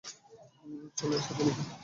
চলো একসাথে লিখি।